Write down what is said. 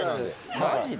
マジで？